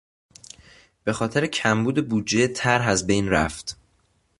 به خاطر کمبود بودجه طرح از بین رفت.